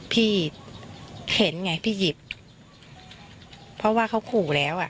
พี่เห็นไงพี่หยิบเพราะว่าเขาขู่แล้วอ่ะ